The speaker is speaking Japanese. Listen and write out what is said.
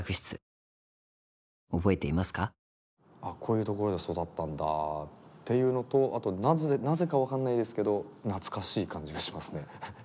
ああこういうところで育ったんだっていうのとあとなぜか分かんないですけど懐かしい感じがしますね。